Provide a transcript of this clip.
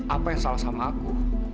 apa yang salah sama aku